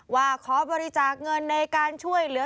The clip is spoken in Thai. ว่าขอบริจาคเงินในการช่วยเหลือ